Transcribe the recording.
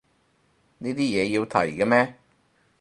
呢啲嘢要提嘅咩